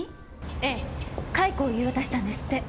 ええ解雇を言い渡したんですって。